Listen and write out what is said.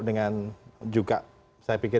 dengan juga saya pikir